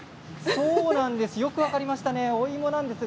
そうです、よく分かりましたね、お芋ですよ。